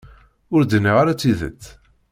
Ur d-nniɣ ara tidet.